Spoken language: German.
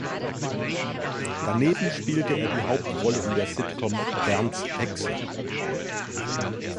Daneben spielte er die Hauptrolle in der Sitcom "Bernds Hexe".